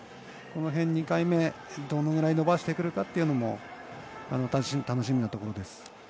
この辺、２回目どのぐらい伸ばしてくるかというのも楽しみなところです。